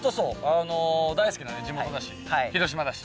あの大好きな地元だし広島だし。